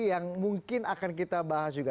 yang mungkin akan kita bahas juga